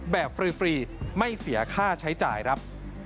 ฟรีไม่เสียค่าใช้จ่ายครับ